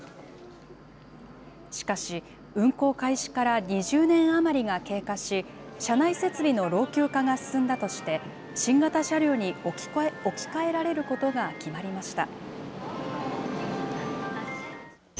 しかし、運行開始から２０年余りが経過し、車内設備の老朽化が進んだとして、新型車両に置き換えられることが決まりました。